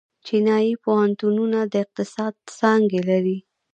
چینايي پوهنتونونه د اقتصاد څانګې لري.